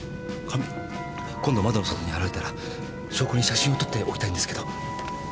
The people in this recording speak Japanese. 今度窓の外に現れたら証拠に写真を撮っておきたいんですけど。